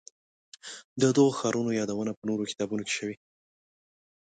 د دغو ښارونو یادونه په نورو کتابونو کې شوې.